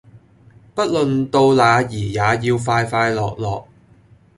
不論到那兒也要快快樂樂